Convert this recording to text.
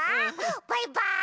バイバーイ！